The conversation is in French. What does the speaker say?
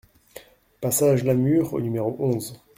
Passage Lamure au numéro onze